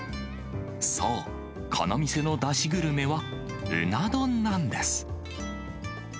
そう、この店のだしグルメはうな丼なんです。